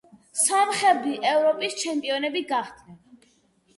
სომხები ევროპის ჩემპიონები გახდნენ.